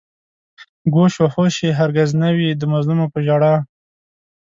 گوش و هوش يې هر گِز نه وي د مظلومو په ژړا